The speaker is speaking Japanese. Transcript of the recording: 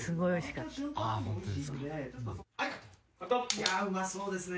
いやぁうまそうですね